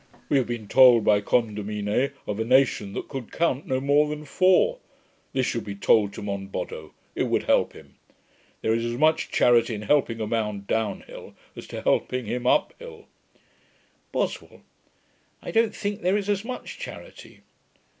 We have been told, by Condamine, of a nation that could count no more than four. This should be told to Monboddo; it would help him. There is as much charity in helping a man down hill, as in helping him up hill.' BOSWELL. 'I don't think there is as much charity.'